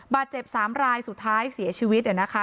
บาดเจ็บ๓รายสุดท้ายเสียชีวิตเนี่ยนะคะ